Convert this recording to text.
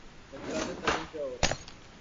El plato está limpio ahora.